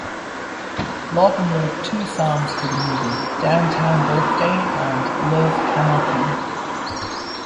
Lawton wrote two songs for the movie, "Downtown Birthday" and "Love Cannot Be".